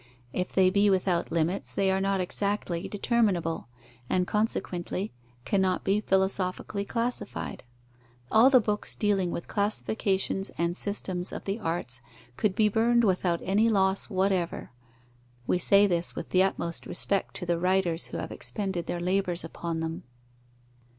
If they be without limits, they are not exactly determinable, and consequently cannot be philosophically classified. All the books dealing with classifications and systems of the arts could be burned without any loss whatever. (We say this with the utmost respect to the writers who have expended their labours upon them.)